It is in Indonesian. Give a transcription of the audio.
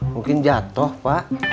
mungkin jatuh pak